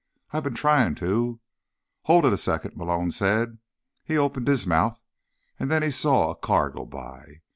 "I've been trying to—" "Hold it a second," Malone said. He opened his mouth, and then he saw a car go by.